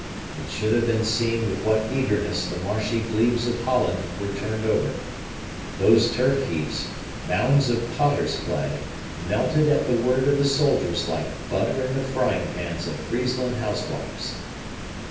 It should have been seen with what eagerness the marshy glebes of Holland were turned over. Those turf heaps, mounds of potter's clay, melted at the word of the soldiers like butter in the frying pans of Friesland housewives.